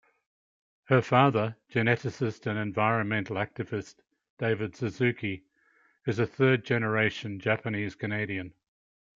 Her father, geneticist and environmental activist David Suzuki, is a third-generation Japanese Canadian.